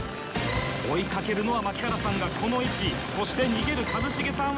追いかけるのは槙原さんがこの位置そして逃げる一茂さんはこの位置。